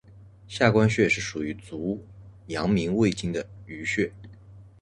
下关穴是属于足阳明胃经的腧穴。